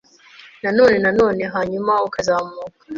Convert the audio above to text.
na none na none; hanyuma ukazamuka